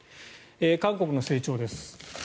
韓国の成長です。